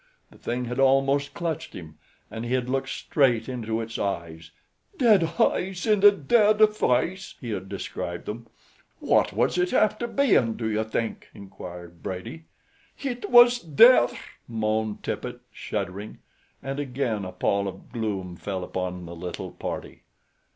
The thing had almost clutched him, and he had looked straight into its eyes "dead heyes in a dead face," he had described them. "Wot was it after bein', do you think?" inquired Brady. "Hit was Death," moaned Tippet, shuddering, and again a pall of gloom fell upon the little party.